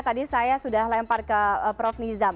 tadi saya sudah lempar ke prof nizam